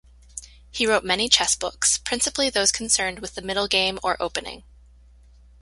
He wrote many chess books; principally those concerned with the middlegame or opening.